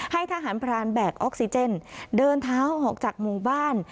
ให้ทหารพรานแบกออกซิเจนเดินเท้าออกจากหมู่บ้าน